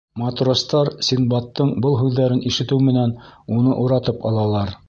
Матростар Синдбадтың был һүҙҙәрен ишетеү менән уны уратып алалар.